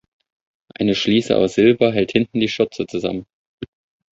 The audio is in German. Ein Schließe aus Silber hält hinten die Schürze zusammen.